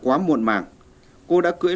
anh xin em đấy